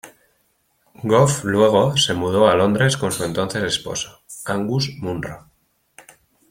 Goff luego se mudó a Londres con su entonces esposo, Angus Munro.